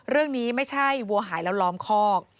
เรื่องนี้ไม่ใช่วัวหายแล้วล้อมคอก